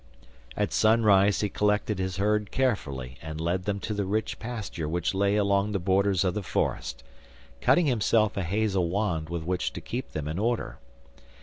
At sunrise he collected his herd carefully and led them to the rich pasture which lay along the borders of the forest, cutting himself a hazel wand with which to keep them in order.